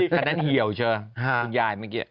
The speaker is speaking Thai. คันนั้นเหี่ยวใช่ไหมคุณยายเมื่อกี้